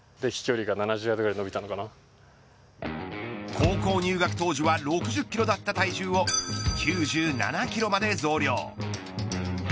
高校入学当時は６０キロだった体重を９７キロまで増量。